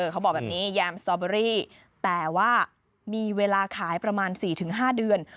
เขาบอกแบบนี้ยามสตอเบอรี่แต่ว่ามีเวลาขายประมาณ๔๕เดือน